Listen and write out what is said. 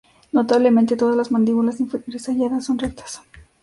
Notablemente, todas las mandíbulas inferiores halladas son rectas.